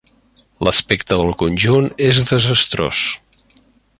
L'aspecte del conjunt és desastrós.